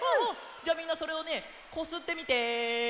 じゃあみんなそれをねこすってみて！